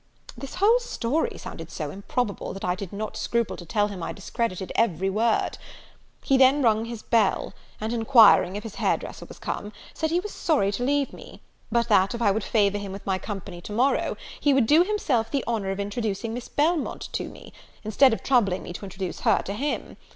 This whole story sounded so improbable, that I did not scruple to tell him I discredited every word. He then rung his bell; and, enquiring if his hair dresser was come, said he was sorry to leave me; but that, if I would favour him with my company to morrow, he would do himself the honour of introducing Miss Belmont to me, instead of troubling me to introduce her to him.